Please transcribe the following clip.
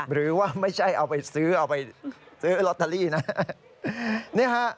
หรือว่าไม่ใช่เอาไปซื้อเอาไปซื้อลอตเตอรี่นะ